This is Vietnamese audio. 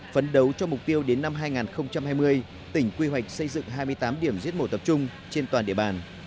phấn đấu cho mục tiêu đến năm hai nghìn hai mươi tỉnh quy hoạch xây dựng hai mươi tám điểm giết mổ tập trung trên toàn địa bàn